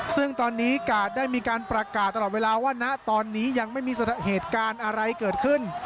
ซึ่งตอนนี้กาดได้มีการประกาศตลอดเวลาว่าณตอนนี้ยังไม่มีเหตุการณ์อะไรเกิดขึ้น